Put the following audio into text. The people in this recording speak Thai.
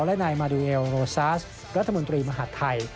และนายมาดูเอลโรซาสรัฐมนตรีมหาดไทย